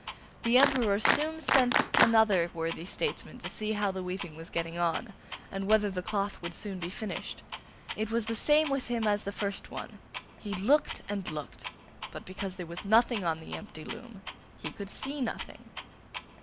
The Emperor soon sent another worthy statesman to see how the weaving was getting on, and whether the cloth would soon be finished. It was the same with him as the first one; he looked and looked, but because there was nothing on the empty loom he could see nothing.